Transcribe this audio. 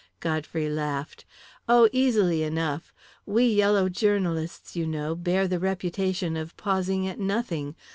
Godfrey laughed. "Oh, easily enough. We yellow journalists, you know, bear the reputation of pausing at nothing.